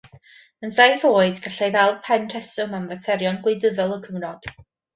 Yn saith oed, gallai ddal pen rheswm am faterion gwleidyddol y cyfnod.